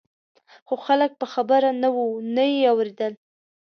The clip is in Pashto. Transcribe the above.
خو خلک په خبره نه وو نه یې اورېدل.